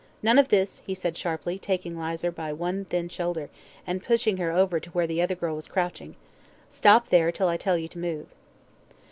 "None of this," he said, sharply, taking Lizer by one thin shoulder, and pushing her over to where the other girl was crouching; "stop there till I tell you to move."